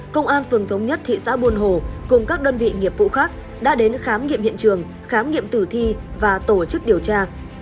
công an phường thống nhất thị xã buôn hồ cùng các đơn vị nghiệp vụ khác đã đến khám nghiệm hiện trường khám nghiệm tử thi và tổ chức điều tra